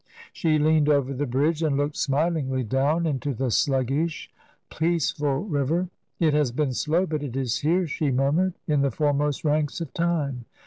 She leaned over the bridge and looked smilingly down into the sluggish, peaceful river. It has been slow, but it is here," she murmured. ' In the foremost ranks of time.'